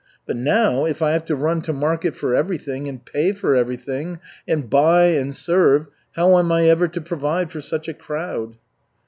But now, if I have to run to market for everything and pay for everything, and buy and serve, how am I ever to provide for such a crowd?"